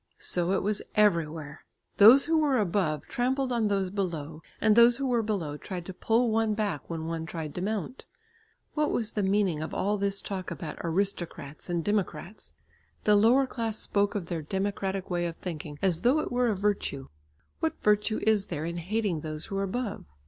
So it was everywhere. Those who were above trampled on those below, and those who were below tried to pull one back when one tried to mount. What was the meaning of all this talk about aristocrats and democrats? The lower class spoke of their democratic way of thinking, as though it were a virtue. What virtue is there in hating those who are above?